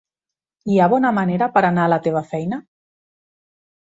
Hi ha bona manera per anar a la teva feina?